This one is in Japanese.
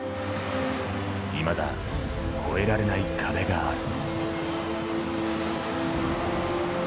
いまだ、越えられない壁がある。